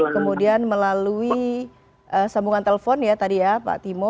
kemudian melalui sambungan telepon ya tadi ya pak timo